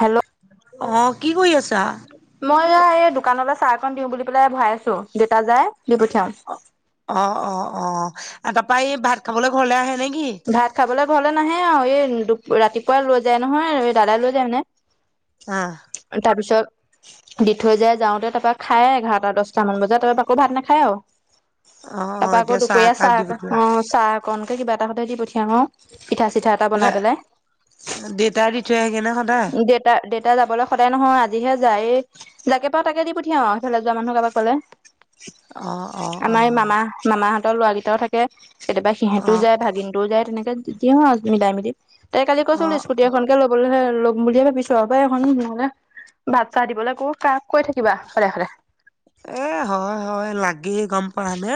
Hello! অ কি কৰি আছা? মই এয়া এই দোকানলৈ চাহ অকন দিওঁ বুলি পেলাই ভৰাই আছো, দেউতা যাই দি পঠিয়াও। অ' অ', তাৰাপৰা এই ভাত খাবলৈ ঘৰলে আহে নে কি? ভাত খাবলৈ ঘৰলৈ নাহে আৰু এই ৰাতিপুৱাই লৈ যায় নহয় এই দাদাই লৈ যায় মানে। আঁ। তাৰপিছত দি থৈ যাই যাওঁতে তাৰপৰা খাই এঘাৰটা দহটামান বজাত তাৰ পৰা আকৌ ভাত নাখায় আৰু। অ অ তাৰপৰা আকৌ এতিয়া চাহ দুপৰীয়া একাপ দি পঠিওৱা চাহ চাহ অকণকে কিবা এটা হৈতে দি পঠিয়াও আও। এ দেউতাই দি থৈ আহেগেনে সদায়? দেতা দেতা যাবলৈ সদায় নহয় আজিহে যায় এই জাকেই পাও তাকে দি পঠিয়াওঁ আও ইফাল যোৱা মানুহ কাৰোবাক পালে। অ অ অ আমাৰ এই মামা মামাহঁত ৰ লৰা কেইটাও থাকে কেতিয়াবা অ সিহঁতও যায়, ভাগিনটোও যায় তেনেকে দিওঁ আৰু মিলাই মেলি। তাই কালি অ কৈছিলো স্কুটি এখনকে ল'বলৈ বুলিয়ে ভাবিছো আও এখন মোৰ মানে ভাত চাহ দিবলৈ কাক কাক কৈ থাকিবা সদায় সদায়। এ হয় হয় লাগেই গম পাও নে।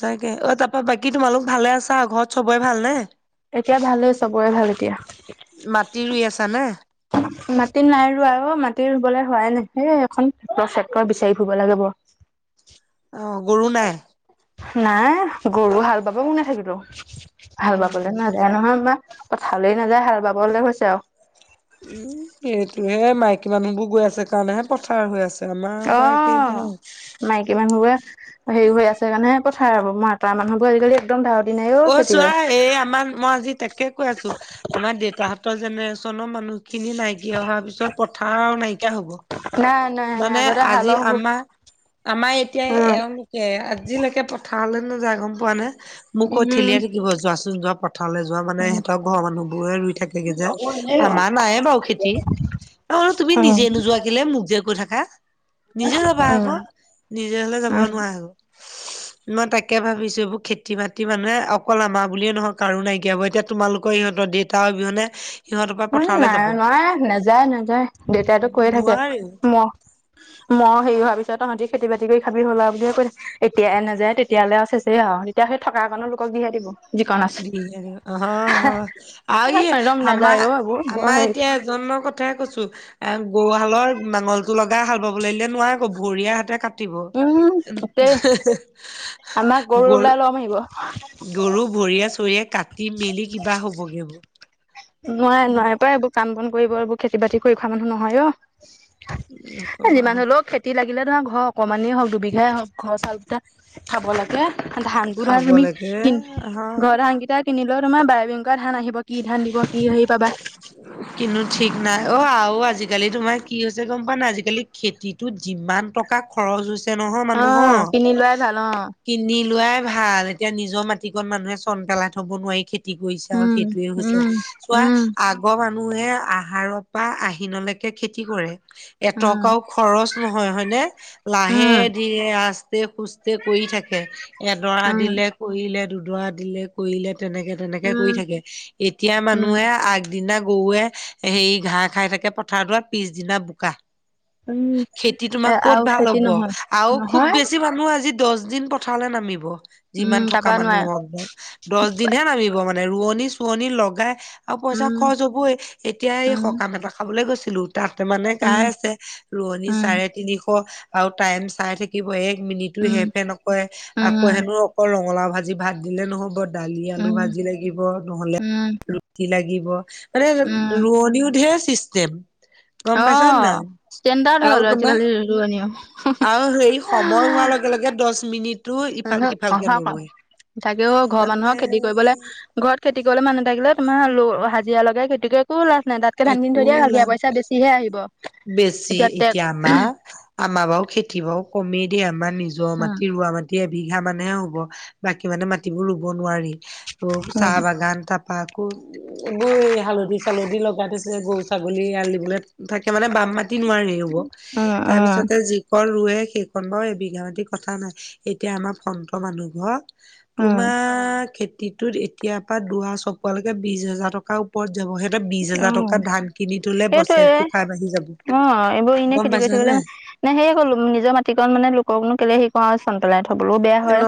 সঁচাকে অ' তাৰপৰা বাকী তোমালোক ভালে আছা ঘৰত চবৰে ভালনে? এতিয়া ভালই চবৰে ভাল এতিয়া। মাটি ৰুই আছা নে? মাটি নাই ৰোৱা অ মাটি ৰুবলে হোৱাই নাই এখন ট্ৰেক্টৰ বিচাৰি ফুৰিব লাগিব। অ' গৰু নাই? নাই গৰু হাল বাব কোনে থাকিব, হাল উম বাবলে। নাযায় নহয় আমাৰ পথাৰলৈ নাযায়, হাল বাবলৈ হৈছে আৰু। উম সেইটোহে মাইকী মানুহ বোৰ গৈ আছে কাৰণেহে পথাৰ হৈ আছে। আমাৰ পৰা একেই নহয়। অঁ' মাইকী মানুহবোৰে হেৰি কৰি আছে কাৰণেহে, পথাৰ হ'ব, মতা মানুহবোৰ আজিকালি একদম ধাউতি নাই ঔ। অ' চোৱা এ আমাৰ মই আজি তা কে কৈ আছো আমাৰ দেউতাহঁতৰ জেনেৰেচনৰ মানুহ খিনি নাইকিয়া হোৱা পিছত পথাৰ আৰু নাইকিয়া হ'ব। নাই নাই নাই মানে আগতে আজি হালৰ আমাৰ আমাৰ এতিয়া উম এওঁলোক এ আজিলৈকে পথাৰলৈ নাযায় গম পোৱা নে, মোক ক উম ঠেলিয়ে থাকিব যোৱাচোন যোৱা প থাৰলৈ যোৱা মানে উম সিহঁতৰ ঘৰৰ মানুহবোৰে ৰুই থাকেগে যে, আমাৰ নাইয়ে বাৰু খেতি। অহ' তুমি উম নিজে নোযোৱা। কেলে মোক যে কৈ থাকা নিজে যাবা আকৌ নিজে হলে যাব নোৱাৰা। মই তাকে ভাবিছো এইবোৰ খেতি বাতি। খেতি মানুহে অকল আমাৰ বুলিয়ে নহয় কাৰো নাইকীয়া হ'ব এতিয়া তোমালোকৰ সিহঁত দেউাতা অবিহনে। সিহঁতৰ পৰা উম পথাৰলৈ নাই যাব নোৱাৰে নাযায় নাযায় দেউতাতো কৈয়ে থাকে নোৱাৰেও ম মই হেৰি হোৱাৰ পিছত তহঁতি খেতি বাতি কৰি খাবি হ'ল আৰু বুলি কৈয়ে এতিয়াই নাযায় তেতিয়ালে আৰু চেছেই আও। এতিয়া সেই থকাকনো লোকক দি হে দিব। যিকণ আছে। দি হে দিব অহ অহআৰু ই একদম নাযায় আমাৰ অ' এইবোৰ বৰ আমাৰ হেৰি এতিয়া জন্মগত। তাকে কৈছো এ গৰুহালৰ নাঙলটো লগা হাল বাবলে দিলে নোৱাৰাই আক গৰিয়া হাতে কাম। দিব উম গোটেই হেহু গ কম আহিব হ। গৰু ভৰিয়ে চৰিয়ে কাটি মেলি কিবা হ'বগে। নোৱাই নোৱাই পাই এইবোৰ কাম বন কৰিব এইবোৰ খেতি বাতি কৰি খোৱাব মানুহ নহয় অ। এই নকবা যিমান হ'লেও খেতি। খেতি লাগিলে ধৰা ঘৰৰ অকমানেই হওঁক দুবিঘাই হওঁক ঘৰৰ চাউল কেইটা খাব লাগে। ধানতো ধৰা খাব তুমি লাগে কিন হা ঘৰ ধানকেইটা কিনিলেও তোমাৰ বায় বিং ধান আহিব। কি ধান দিব। কি হেৰি পাবা। কিন্তু, ঠিক নাই। অহ, আৰু আজিকালি তোমাৰ কি হৈছে গম পোৱানে নাই, আজিকালি খেতিত তোৰ যিমান টকা খৰচ হৈছে নহয় অ মানুহৰ কিনি লোৱাই ভাল অ কিনি লোৱাই ভাল, এতিয়া নিজৰ মাটিকন মানুহে চন পেলাই থ'ব নোৱাৰি খেতি কৰিছে উম আৰু। সেইটোয়ে হৈছে উম চোৱা উম আগৰ মানুহে, আহাৰৰ পৰা আহিনলৈকে খেতি কৰে, উম এটকাও খৰচ নহয় হয়নে? লাহে উম ধীৰে আস্তে সুস্থে কৰি থাকে। এডৰা উম দিলে কৰিলে, দুডৰা দিলে কৰিলে, তেনেকে তেনেকে উম কৰি থাকে। এতিয়া উম মানুহে আগ টিনা, গৰুৱে হেৰি ঘাঁহ খাই থাকে পথাৰ দৰাত, পিছদিনা বোকা। উম খেতি এ তোমাৰ কত আৰু ভাল খেতি হ'ব নহয় আৰু খুব নহয় বেছি মানুহ আজি দছ দিন পথাৰলে নামিব, উম যিমান থকা তাৰপা নোৱাৰে মানুহক দছ দিনহে নামিব মানে ৰোৱনী চুৱনি লগাই অঁ পইচা উম খৰচ হবই এতিয়া এই উম সকাম এটা খাবলৈ গৈছিলো তাতে মানে উম গাই আছে। কণী উম চাৰে তিনিশ আৰু টাইম চাই থাকিব। এক মিনিটো উম, হেৰ-ফেৰ নকৰে, আকৌ উম, হেনো অকল ৰঙালাও ভাজি ভাত দিলে নহ'ব। দালি, আলু, উম, ভাজি লাগিব নহলে উম, ৰুটি লাগিব। মানে উম, ৰোৱনও ধেৰ চিষ্টেম, গম পাইছা নে অ', নাই। ষ্টেণ্ডাৰ্ড হ'ল আৰু তোমাৰ আজিকালি ৰোৱনীও। আৰু হেৰি সময় হোৱাৰ লগে লগে দশ মিনিট অহা পা তাকেও ঘৰৰ মানে মানুহৰ খেতি কৰিবলে ঘৰত খেতি কৰিলে মানুহ থাকিলে তোমাৰ ল হাজিৰা লগাই খেতি কৰি একো লাজ নাই তাত! তাতকে ধান একো দিন থৈ দিয়ে তেতিয়া লাভ পইচা বেছিহে আহিব বেছি এতিয়া তাতে এতিয়া আমাৰ আমাৰ বাও খেতি বাও কমেই দেই, আমাৰ নিজৰ উম, মাটি ৰোৱা মাটি টি এবিঘা মানেহে হ'ব, বাকী মানে মাটিবোৰ ৰুব নোঁৱাৰি। ত' উম, চাহ বাগান তাপ আকো এইবোৰ এই হালধি চালধি লগ তাত আছে গৰু ছাগলী এয়াল দিবলে থাকে মানে বাম মাতিত নোৱাৰে, ৰুব উম, তাৰ উম, পিছতে যি কন ৰোৱে সেইখন বাৰু এবিঘা মাটি কথা নাই এতিয়া আমাৰ ফন্ত মানুহ ঘৰ উম, তোমাৰ খেতিটোত এতিয়াৰ পৰা দৰা চপোৱালৈকে বিশ হাজাৰ টকা কত যাব সিহঁতে বিশ হেজাৰ টকা উম, ধান কিনি থলে, সেইটোৱে বছেৰেটো খাই বাঢ়ি যাব অ', এইবোৰ এনে গম খেতি কৰি পাইছা থাকিবলে নাই? নে সে কলো নিজৰ মাটিকন মানে লোকক নো কেলে হেই অঁ চন পেলাই থ'বলেও বেয়া হয়। ন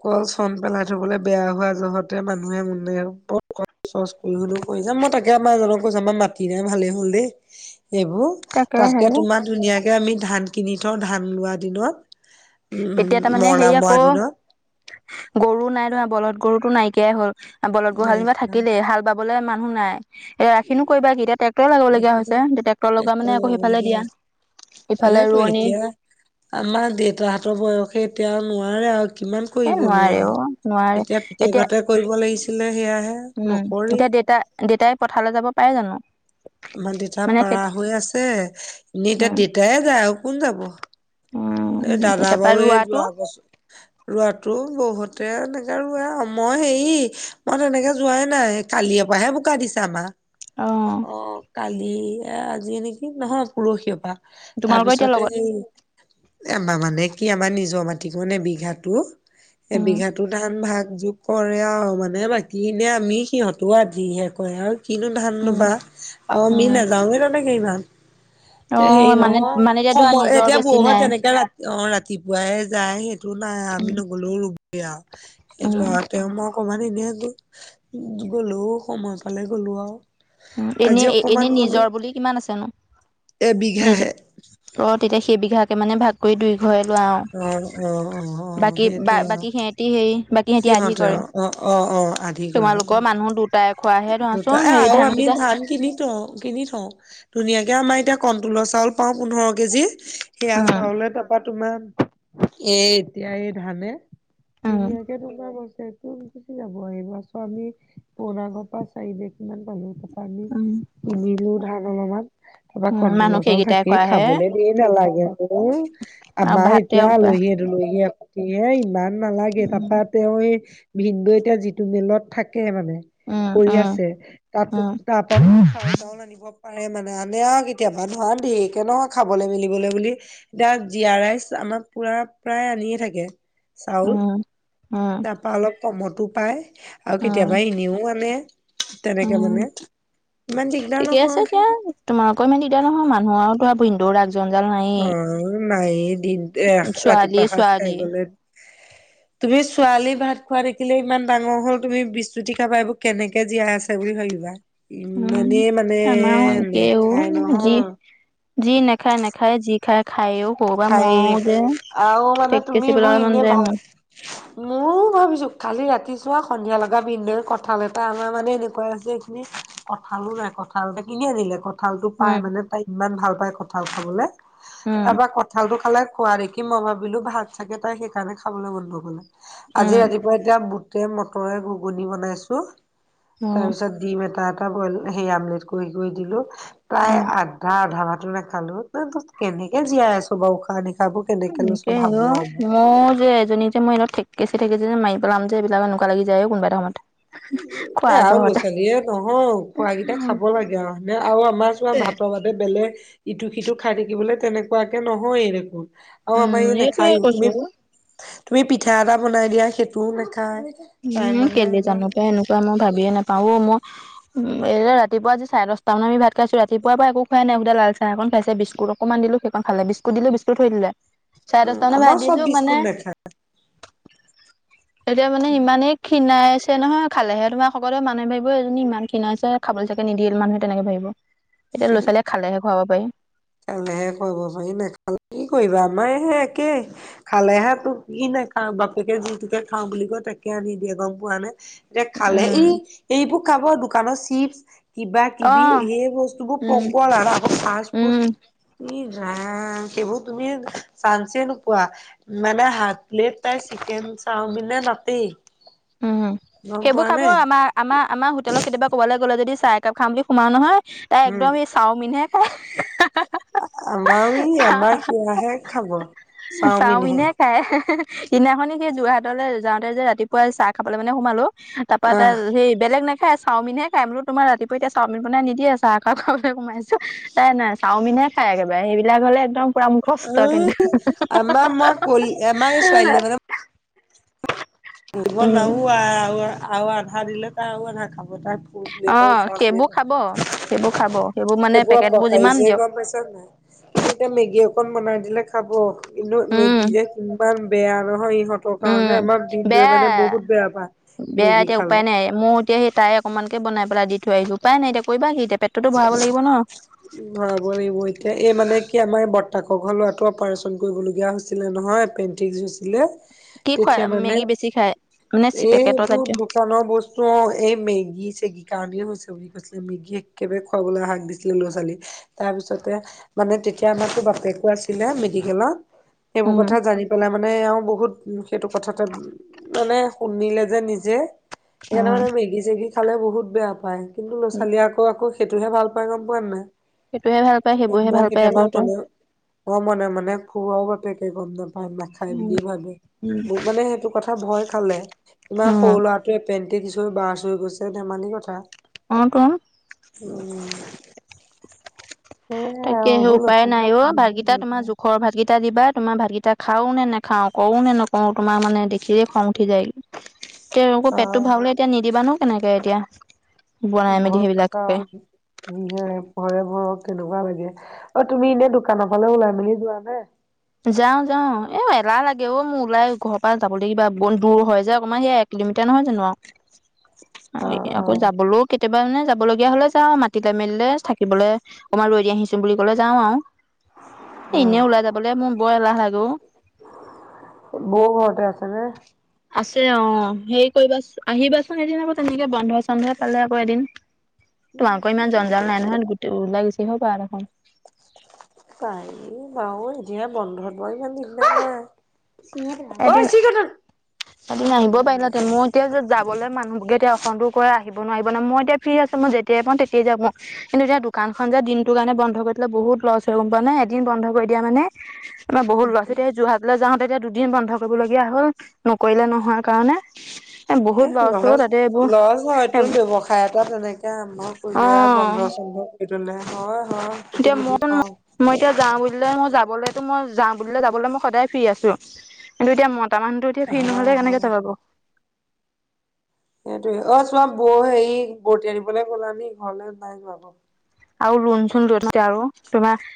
ক চন পেলাই থবলে বেয়া হোৱা জহতে মানুহে মনে আৰু ক'ত কত [unintelligible] তাকে আমাৰ জনক কৈছোঁ আমাৰ মাটি নাই ভালেই হল দেই এইবোৰ তাকে হে তাতকে তোমাৰ, ধুনীয়াকে আমি, ধান কিনি থওঁ, ধান লোৱা দিনত, উম। মানে মৰণা হেৰি আক মৰা দিনত গৰু নাই নহয় বলধ গৰুতো নাইকিয়াই হ'ল, বলধ গৰু হাল যেনিবা নাইকিয়া থাকিলেই হাল বা ৰুবুলে মানুহ নাই? এ ৰাখিনো কৰিবা কি এতিয়া, ট্ৰেক্টৰ লাবলগীয়া হৈছে ট্ৰেক্টৰ লগা মানে আকৌ সিফালে দিয়া ইফালে সেইয়েতো ৰোৱনী এতিয়া আমাৰ দেউতাহঁতৰ বয়সে এতিয়াও নোঁৱাৰে আৰু কিমান এ কৰিব নোৱাৰে নোৱাৰো, অ নোৱাৰে এতিয়া পুতেকহতে কৰিব লাগিছিলে সেয়াহে উম এতিয়া নকৰেই। দেউতা দেউতাই পথাৰলে যাব পাৰে জানো? আমাৰ দেতা মানে পাৰা খেতি হৈ আছে, এনেই এতিয়া উম দেতায়ে যায়, আৰু কোন যাব। এই উম দাদা তাৰপৰা বৌৱে ৰোৱাটো যোৱা বছৰ ৰোৱাটো বহুতে এনেকে ৰুৱে আও, মই হেৰি মই তেনেকে যোৱাই নাই। কালিয়পাহে বোকা দিছে আমাৰ। অ অহ, কালিয়ে আজিয়ে নেকি, নহয় পৰহিৰ পৰা। তোমালোকৰ এতিয়া তাৰপিছতে লগত এই আমা মানে কি আমাৰ নিজৰ মাটি মানে বিঘাটো এ উম বিঘাটো ধান ভাগ যোগ কৰে আৰু মানে বাকী ইনে আমি সিহঁতো আধিহে কৰে আৰু কিনো ধান উম ৰুবা আৰু আমি উম নাযাওগে তেনেক ইমান। অ এ হেৰি মানে নহয় মানে এতিয়া ধৰা সময় নিজৰ এতিয়া বেছি বয়সত নাই যেনেকে। অহ ৰাতিপুৱাই যায় সেইটো নাই আমি উম নগ'লেও ৰোৱ। [unintelligible] সেইটো উম লৰ মোক অকমান এনে গ'লোও সময় পালে গ'লোঁ আও। উম এনে এনে নিজৰ বুলি কিমান আছে নো নিজৰ। এবিঘাহে অহ তেতিয়া সেইবিঘাকে মানে ভাগ। কৰি দুই ঘৰে লোৱাও অ অ অ অ বাকী বা সেইটোৱে আৰু বাকী সিহঁতি হেৰি বা সিহঁতি আধি সিহঁতে অ কৰে অ অ অ আধি কৰে অ তোমালোকৰ মানুহ দুটাই খোৱাহে দুটা ধৰাচোন এ হেৰি আৰু ধান। আমি ধান কিনি থওঁ কিনি থওঁ ধুনীয়াকে আমাৰ এতিয়া কণ্টলৰ চাউল পাওঁ পোন্ধৰ কেজি। সেয়া উম চাউলে তাপা তোমাৰ এ এতিয়া এই ধানে। উম ধুনীয়াকে তোমাৰ বছৰতো গুচি যাব এই বছৰ আমি পুৰণা ঘৰত। সচাঁকে দেই কিমান পালোঁ তাপা আমি উম কিনিলো ধান অলপমান। তাৰপৰা উম মানুহ কণ্টলৰ চাউল সেইকেইটাই থাকি খোৱাহে খাবলৈ দি নালাগে উম আৰু আমাৰ ভাত এতিয়া তেওঁ খোৱা আলহী। লৈ আহ এয়ে ইমান নালাগে উম তাপা। তেওঁ এই ভিন্দেউ এতিয়া যিটো মিলত থাকে মানে। উম কৰি উম আছে তাত উম তাপা চাউল‌ তাউল আনিব। হ'ব পাৰে মানে আনে আও কেতিয়াবা খাবলৈ মেলিবলৈ বুলি এতিয়া জীয়া ৰাইচ আমাক পোৰা প্ৰায় আনিয়ে থাকে চাউল। অহ। তাপা অলপ কমতো পায় আৰু কেতিয়াবা উম এনেও আনে। তেনেকে উম মানে ইমান দিগদাৰ নহয়। তোমাৰ আকৌ ইমান দিগদাৰ নহয় মানুহ আৰু তই জন জাল নাই অহ নাইয়ে দিনটো এস ৰাতিপুৱা ছোৱালীয়ে এসাজ খাই ছোৱালী গলে। তুমি ছোৱালী ভাত খোৱা দেখিলে ইমান ডাঙৰ হল তুমি বিশ্ৰুতি খাবা এইবোৰ কেনেকে জীয়াই আছে। সেই বুলি ভাবিবা উম ইমানেই মানে আমাৰো একেই অ নেখায় যি নহয়। যি নাখায় নাখায় যি খায় খায় ও। খায়ে মইও যে, ঠেক্কেচি দিবাৰ মন যায় মোৰ। মোৰ। মই ভাবিছো কালি ৰাতি চোৱা সন্ধিয়া লগা ভিনদেউ কঁঠাল এটা আমাৰ মানে এনেকুৱা হৈছে এইখিনি। কঁঠালো নাই কঁঠালটো কিনিয়ে আনিলে কঁঠ কঁঠালটো পাই উম মানে তাই ইমান ভাল পায় কঁঠাল খাবলৈ উম তাৰপা ক এইটো খালে খোৱা দেখি মই ভাবিলো ভাত চাগে তাই সেইকাৰণে খাবলৈ মন নগ'লে। আজি উম ৰাতিপুৱা এতিয়া বুটে মটৰে ঘুগুনি বনাই আছো, উম তাৰপিছত ডিম এটা এটা বইল সেই আমলেট কৰি কৰি দিলো প্ৰায় উম আঠ তাৰ আধা ভাতো নেখালো এ তই কেনেকে জীয়াই আছো বাৰু খা এনেকেই আৰু মই যে এজনী। মই যে ঠেকেছি ঠেকেছি যেন মাৰি পেলাম যে এইবিলাক এনেকুৱা লাগি যায় ও কোনবা এটা সময়ত। খোৱা এ আৰু ল'ৰা জহতে। ছোৱালীয়ে নহয় খোৱাকিটা খাব লাগে আৰু নে আৰু আমাৰ চোৱা ভাতৰ ভাত বেলেগ ইটো সিটো খাই থাকিবলৈ তেনেকুৱাকে নহয়েই দেকোন। অ আমাৰ উম এই এইটোয়ে নাখায়য়ে কৈছো তুমি, তুমি পিঠা এটা বনাই দিয়া সেইটোও নাখায়। তাই উম মানে কেলে একদম জানো পাই এনেকুৱা মই ভাবিয়ে নাপাওঁ অ মই। উ এই ৰাতিপুৱাই যি চাৰে দচটা মানত আমি ভাত খাইছো ৰাতিপুৱাৰ পৰা একো খোৱা নাই সুদা লাল চাহ এখন খাইছে বিস্কুট অকণমান দিলো সেইকখন খালে বিস্কুট দিলো বিস্কুট থৈ দিলে, চাৰে দচটা মানত আমাৰ ভাত চব দিছো বিস্কুট মানে। নাখায়। এতিয়া মানে ইমানেই ক্ষীণাই আছে নহয় খালেহে তোমাৰ শকত‌ হয় মানুহে ভাবিব এইজনী ইমান ক্ষীণাইছে খাবলৈ চাগে নিদিলে মানুহে তেনেকে ভাবিব। [inaudible] এতিয়া ল'ৰা ছোৱালীয়ে খালেহে খুৱাব পাৰি। খালেহে কৰিব পাৰি নেখালে কি কৰিবা আমাৰ সেই একেই। খালেহে তোক কি নাই খা বাপেকে যিটোকে খাওঁ বুলি কয় তাকে আনি দিয়ে গম পোৱা নে। এতিয়া খালে ই এইবোৰ খাবো দোকানত চিপচ। কিবা অ কিবি সেই বস্তুবোৰ উম পগল আৰু আকৌ ফাচ উম ফুট। ইহ ৰাম সেইবোৰ তুমি চানঞ্চে নোপোৱা মানে হাত প্লেট তাই চিকেন চাওমিনে নাতি। উম হম, সেইবোৰ খাব আমাৰ আমাৰ আমাৰ হোটেলৰ কেতিয়াবা ক'বলৈ গ'লে যদি চাহ একাপ খাম বুলি সোমাও নহয়। তাই উম একদম এই চাওমিনহে খাই। আমাৰ ই আমাৰ সেয়াাহে খাব চাওমিনহে। এ সেহ সেহ সেহ। সিদিনাখনি সেই যোৰহাটলৈ যাওঁতে যে ৰাতিপুৱাই চাহ খাবলৈ মানে সোমালো। তা পা টাৰ আহ সি বেলেগ নে তাই চাওমিন হে খায় বুলু তোমাৰ ৰাতিুপূৱা এতিয়া চাওমিন বনাই নিদিয় চাহ একাপ খাবলৈ সোমাইছো নাই নাই। চাওমিনহে খায় একেবাৰে সেইবিলাক হ'লে একদম। পুৰা মু খস্থ আহ কিন্তু হি হা হি হা আমাৰ হি মই হা হি কল হা হি আমাৰ এই হা হা ছোৱালীয়ে হা। ৰুব না উম উ আ আউআৰু আধা দিলে তাউ আধা খাব তাৰ। অ চ সেইবোৰ খাব সেইবোৰ খাব সেইবোৰ মানে পেকেট বোৰ এইবোৰপকা যিমান যেহে দিয়ক গম পাইছে। কি এতিয়া মেগী অকন বনাই দিলে খাব কিন্তু উম মেগী যে কিমান। বেয়া নহয় ইহঁতৰ উম কাৰণে আমাক। বেয়া, বেয়া মেগী এতিয়া খালে উপায় নাই। এ মই এতিয়া সেই তাই অকনমানকে বনাই পেলাই দি থৈ আহিছো উপাই নাই এতিয়া কৰিবাি কি এতিয়া পেটটোতো ভৰাব লাগিব ন। ভৰাব লাগিব এতিয়া এই মানে কি আমাৰ বৰ্তাকৰ ঘৰ লৰাটো অপাৰচন কৰিবলগীয়া হৈছিলে নহয় পেন টিকচহৈছিলে, কি খুৱাই তেতিয়া মানে, মেগী বেছি খায় মানে পেকেটৰ এইবোৰ জাতীয় দোকানৰ বস্তু তো এই মেগী চেগি কাৰনে হৈছিলে বুলি কৈছিলে মেগীয়েক একেবাৰে খুৱাবলে হাক দিছিলে ল'ৰা -ছোৱালী তাৰ পিছতে মানে তেতিয়া আমাৰটো বাপেকো আছিলে মেডিকেলত সেইবোৰ উম কথা জানি পেলাই মানে এও বহুত সেইটো কথাতে মানে শুনিলে যে নিজে সেইকাৰণে মানে মেগী চেগি খালে বহুত বেয়া পায় কিন্তু অ ল'ৰা-ছোৱালীয়ে আক কৌ সেইটোহে ভাল পাই গম পোৱা নাই সেইটোহে ভাল পায় সেইবোৰহে মই ভাল পায় কেতিয়াবা আকৌ তো কলেও অ মনে মনে খোৱাও বাপেকে গম নাপায় নাখা য় উম বুলিয়ে ভাবে উম মোক মানে সেইটো কথা ভয় খালে ইমান উম সৰু ল'ৰা তে পেণ্টি কিছু বাচ হৈ গৈছে ধেমালি কথা অ তু উম তাকে আৰু হে এইবোৰ ল'ৰা উপায় নাই ছোৱালীয়ে অ শুনিব ভাতকেইটা লাগিব তোমাৰ জোখৰ ভাতকেইটা দিবা তোমাৰ ভাতকেইটা খাও নে নেখাও, কউ নে নকউ তোমাৰ মানে দেখিৰে খং উঠি যায়গে এক তেওঁলোকৰ পেটটো কাৰণ ভৱাবলে এতিয়া নিদিবা নু কেনেকে এতিয়া বনাই মেলি সেইবিলাক পে নিজৰেপৰে ভৰকে দুবাৰ বাজে অ তুমি এনে দোকানৰ ফালে ওলাই মেলি যোৱা নে? যাও যাও এ এলাহ লাগে অ মো ওলাই ঘৰ পা যাবলে কিবা বন দূৰ হয় যে অকণমান সে এক কিলোমিটা নহয় জানোঁ [inaudible] অ এ অ আকৌ যাবলো কেতিয়াবা মানে যাব লগীয়া হলে যাওঁ মাতিলে মেলিলে থাকিবলে অকমান ৰৈ দিয়াহিছোন বুলি কলে যাওঁ আৱ [inaudible] এ এনে ওলাই যাবলে মোন বৰ এলাহ লাগে অ বৌ ঘৰতে আছে আছে অ হেৰি কৰিবা চো আহিবাচোন এদিন আকৌ তেনেকে বন্ধ চন্ধে পালে আকৌ এদিন [inaudible] তো আকৌ ইমান জঞ্জাল নে? নাই নহয় গোটেই ওলাই গৈছি আহিব পাৰা দেখোন পাই বাৰু এতিয়া বন্ধত বই ইমান দিন নে চিঙিয়ে পেলালে, ঐ এদিন চিগাট আন এদিন আহিব পাৰিলাহঁতে মই এতিয়া তাৰপাছত যাবলে মানুহকে এতিয়া অসমতো কৈ আহিব নোৱাৰিব নহত মই এতিয়া ফ্ৰী আছোঁ মই যেতিয়াই পাওঁ তেতিয়াই যাব পা কিন্তু এতিয়া দোকানখন যে দিনটো কাৰণে বন্ধ কৰি থলে বহুত লছ হয় গম পোৱা নে এদিন বন্ধ কৰি দিয়া মানে আমাৰ বহুত ল'ৰা-ছোৱাতিয়ে যোৰহাটলে যাওঁতে তেতিয়া দুদিন বন্ধ কৰিবলগীয়া হ'ল। নকৰিলে নহয় কাৰণে এ বহুত লছ অ তাতে এইবোৰ লছ হয় তোৰ ব্যয়সায় এটা তেনেকে আৰম্ভ কৰিলে আৰু অ বন্ধ চন্ধ কৰি থলে হয় হয়। সেইটো এতিয়া বুজি মই পাওঁ মই এতিয়া যাওঁ বুলিলে মই যাবলে মই যাওঁ বুলিলে যাবলে মই সদায় ফ্ৰী আছো কিন্তু এতিয়া মটা মানুহতো এতিয়া ফ্ৰী নহলে হয় হয় কেনেকে যাব সেইটোৱে অ চোৱা বৌ হেৰি বৰ্তি আনিবলে গ'লানি ঘৰলে নাই যোৱা আক আৰু ৰুন চোন লৈথছে আৰু তোমা